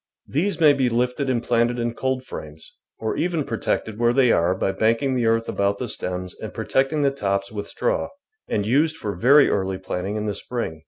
These may be lifted and planted in coldframes, or even protected where they are by banking the earth about the stems and protecting the tops with straw, and used for very early planting in the spring.